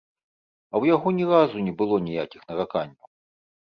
А ў яго ні разу не было ніякіх нараканняў.